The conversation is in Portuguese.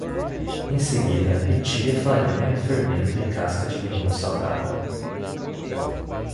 Em seguida, retire a farinha, fermento e casca de limão salgado.